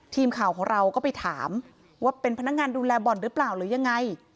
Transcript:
ทีมข่าวของเราก็ไปถามว่าเป็นพนักงานดูแลบ่อนหรือเปล่าหรือยังไง